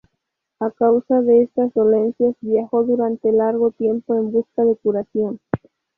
A causa de estas dolencias, viajó durante largo tiempo en busca de curación.